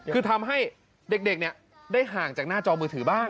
คือทำให้เด็กได้ห่างจากหน้าจอมือถือบ้าง